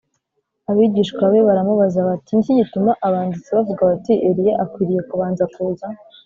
Abigishwa be baramubaza bati “Ni iki gituma abanditsi bavuga bati ‘Eliya akwiriye kubanza kuza’?